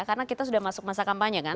karena kita sudah masuk masa kampanye kan